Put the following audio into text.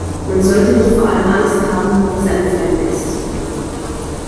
Man sollte nicht vor allem Angst haben, was einem fremd ist.